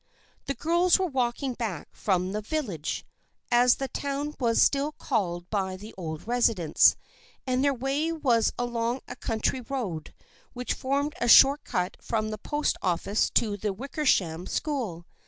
The girls were walking back from the " village," as the town was still called by the old residents, and their way was along a country road which formed a short cut from the post office to the Wickersham School.